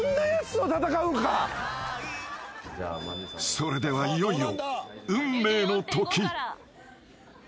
［それではいよいよ］